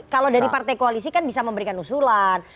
kalau dari partai koalisi kan bisa memberikan usulan